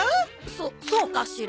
そそうかしら？